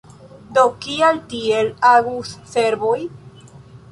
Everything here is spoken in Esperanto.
Do kial tiel agus serboj?